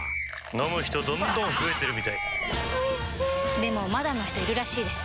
飲む人どんどん増えてるみたいおいしでもまだの人いるらしいですよ